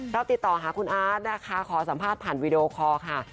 เราติดต่อหาคุณอาร์ตนะคะขอสัมภาษณ์ผ่านวีดีโอคอร์ค่ะ